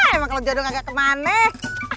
emang kalau jodoh gak kemanis